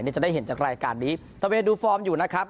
นี่จะได้เห็นจากรายการนี้ตะเวนดูฟอร์มอยู่นะครับ